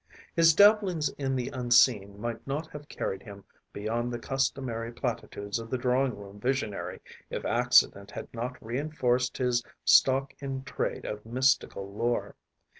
His dabblings in the unseen might not have carried him beyond the customary platitudes of the drawing room visionary if accident had not reinforced his stock in trade of mystical lore.